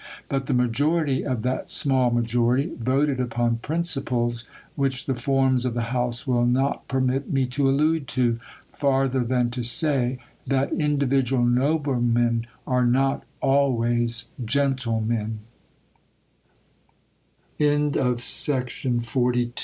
147 ]^>ut the majority of that small majority voted upon principles which the forms of the House will not per nit me to allude to, farther than to say, that individual Noblemen are not always Gentlemen, Extract fro^ President